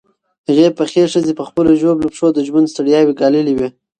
هغې پخې ښځې په خپلو ژوبلو پښو د ژوند ستړیاوې ګاللې وې.